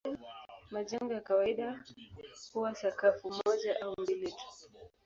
Majengo ya kawaida huwa sakafu moja au mbili tu.